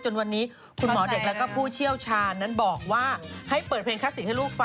วันนี้คุณหมอเด็กแล้วก็ผู้เชี่ยวชาญนั้นบอกว่าให้เปิดเพลงคลาสสิกให้ลูกฟัง